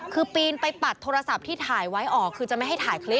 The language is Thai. คือปีนไปปัดโทรศัพท์ที่ถ่ายไว้ออกคือจะไม่ให้ถ่ายคลิป